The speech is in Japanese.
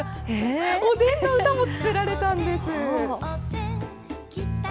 おでんの歌も作られたんです。